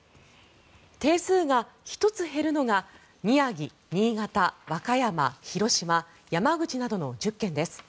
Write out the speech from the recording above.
定数が１つ減るのが宮城、福島、新潟、山形広島、山口などの１０県です。